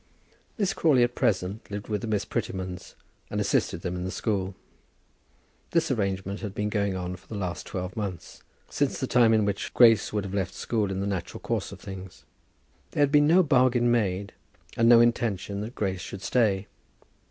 Miss Crawley, at present, lived with the Miss Prettymans, and assisted them in the school. This arrangement had been going on for the last twelve months, since the time in which Grace would have left the school in the natural course of things. There had been no bargain made, and no intention that Grace should stay.